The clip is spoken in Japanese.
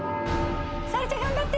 沙保里ちゃん頑張って。